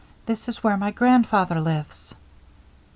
This is where my grandfather lives."